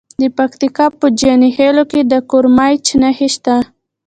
د پکتیکا په جاني خیل کې د کرومایټ نښې شته.